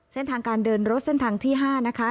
เส้นทางการเดินรถเส้นทางที่๕นะคะ